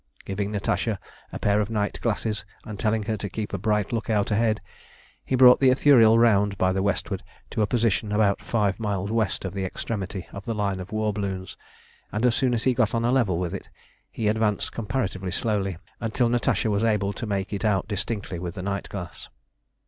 Giving Natasha a pair of night glasses, and telling her to keep a bright look out ahead, he brought the Ithuriel round by the westward to a position about five miles west of the extremity of the line of war balloons, and as soon as he got on a level with it he advanced comparatively slowly, until Natasha was able to make it out distinctly with the night glass.